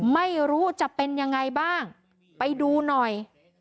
ไม่รู้จะเป็นยังไงบ้างไปดูหน่อย